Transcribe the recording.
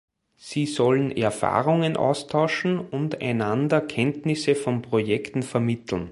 Sie sollen Erfahrungen austauschen und einander Kenntnisse von Projekten vermitteln.